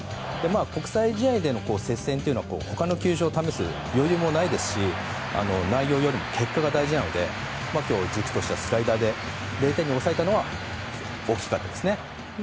国際試合での接戦というのは他の球種を試す余裕もないですし内容よりも結果が大事なので軸としたスライダーで抑えたのは大きかったですね。